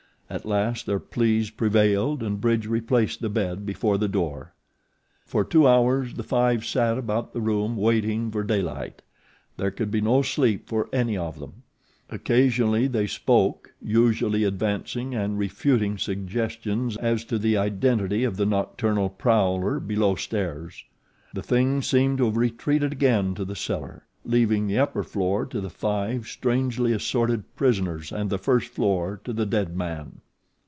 At last their pleas prevailed and Bridge replaced the bed before the door. For two hours the five sat about the room waiting for daylight. There could be no sleep for any of them. Occasionally they spoke, usually advancing and refuting suggestions as to the identity of the nocturnal prowler below stairs. The THING seemed to have retreated again to the cellar, leaving the upper floor to the five strangely assorted prisoners and the first floor to the dead man.